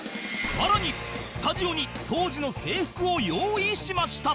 さらにスタジオに当時の制服を用意しました